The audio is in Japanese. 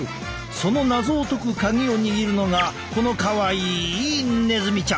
その謎を解く鍵を握るのがこのかわいいネズミちゃん。